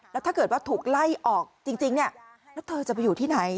แล้วถ้าเกิดว่าถูกไล่ออกจริงเนี่ยแล้วเธอจะไปอยู่ที่ไหน